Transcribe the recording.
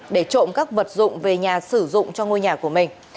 để trộm các vật dụng về nhà sử dụng cho ngôi nhà của mình